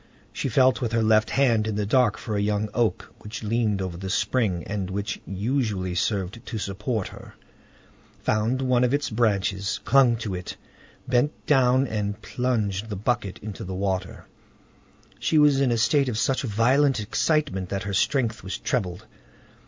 She felt with her left hand in the dark for a young oak which leaned over the spring, and which usually served to support her, found one of its branches, clung to it, bent down, and plunged the bucket in the water. She was in a state of such violent excitement that her strength was trebled.